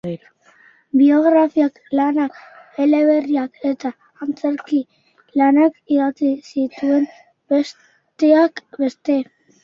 Biografia-lanak, eleberriak eta antzerki lanak idatzi zituen, besteak beste.